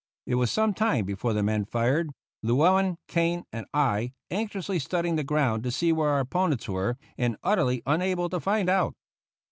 It was some time before the men fired; Llewellen, Kane, and I anxiously studying the ground to see where our opponents were, and utterly unable to find out.